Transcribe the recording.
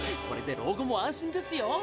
これで老後も安心ですよ。